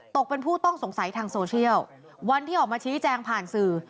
ตกเป็นผู้ต้องสงสัยทางโซเชียลวันที่ออกมาชี้แจงผ่านสื่อ